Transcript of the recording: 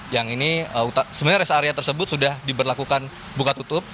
yang ini sebenarnya rest area tersebut sudah diberlakukan buka tutup